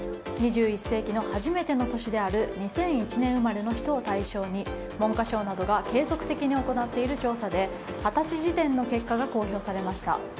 ２１世紀の初めての年である２００１年生まれの人を対象に文科省などが継続的に行っている調査で二十歳時点の結果が公表されました。